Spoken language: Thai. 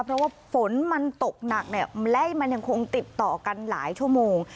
เพราะว่าฝนมันตกหนักเนี่ยและมันยังคงติดต่อกันหลายชั่วโมง